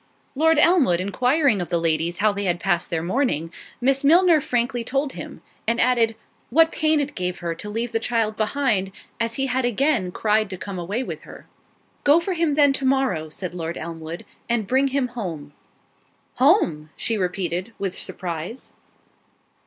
Lord Elmwood inquiring of the ladies how they had passed their morning, Miss Milner frankly told him; and added, "What pain it gave her to leave the child behind, as he had again cried to come away with her." "Go for him then to morrow," said Lord Elmwood, "and bring him home." "Home!" she repeated, with surprise.